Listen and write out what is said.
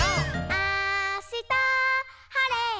「あしたはれたら」